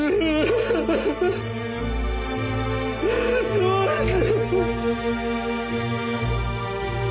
どうして！